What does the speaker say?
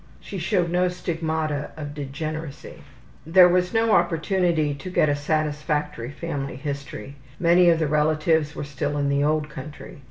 She showed no stigmata of degeneracy. There was no opportunity to get a satisfactory family history. Many of the relatives were still in the old country.